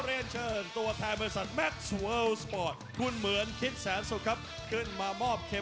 เรามีคำสั่งของบลูแลนด์แรดคอร์เนอร์วิลลิอมวิมโภล